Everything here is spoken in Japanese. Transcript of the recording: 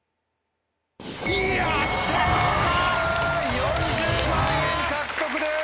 ４０万円獲得です！